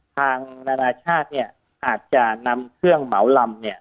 ทางนานาชาติอาจจะนำเครื่องเหมาลำ